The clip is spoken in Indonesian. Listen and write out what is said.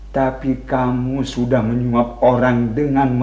tapi kamu sudah menyuap orang dengan baik